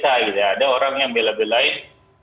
ada orang yang beli beli lain